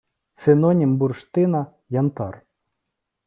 Синонім бурштина – янтар